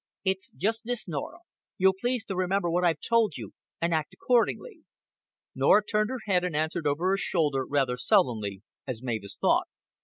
"It's just this, Norah. You'll please to remember what I've told you, and act accordingly." Norah turned her head and answered over her shoulder, rather sullenly, as Mavis thought.